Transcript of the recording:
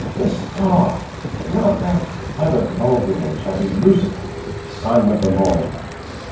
This star and not that other vulgar one shall be 'Lucifer, sun of the morning.'